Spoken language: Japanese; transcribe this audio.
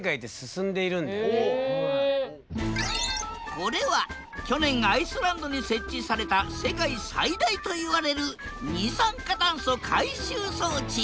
これは去年アイスランドに設置された世界最大といわれる二酸化炭素回収装置。